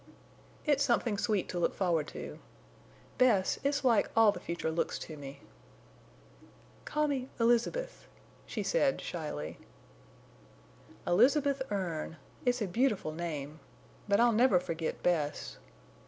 "It's something sweet to look forward to. Bess, it's like all the future looks to me." "Call me—Elizabeth," she said, shyly. "Elizabeth Erne! It's a beautiful name. But I'll never forget Bess.